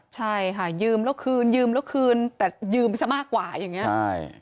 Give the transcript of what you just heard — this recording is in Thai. ใช่ค่ะยืมแล้วคืนยืมแล้วคืนแต่ยืมซะมากกว่าอย่างนี้ใช่